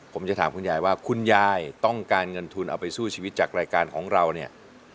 ผมจะถามคุณยายว่าคุณยายต้องการเงินทุนเอาไปสู้ชีวิตจากรายการของเราเนี่ย